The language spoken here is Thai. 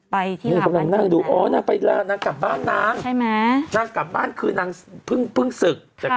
ไปที่หาวบ้านคุณแม่งใช่ไหมนางกลับบ้านคือนางเพิ่งสึก